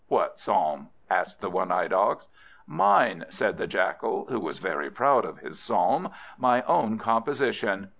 "What psalm?" asked the one eyed Ox. "Mine," said the Jackal, who was very proud of his psalm, "my own composition."